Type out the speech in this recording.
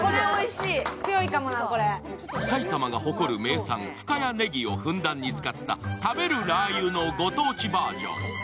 埼玉が誇る名産、深谷ねぎをふんだんに使った食べるラー油のご当地バージョン。